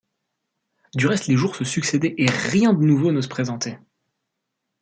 Du reste les jours se succédaient et rien de nouveau ne se présentait.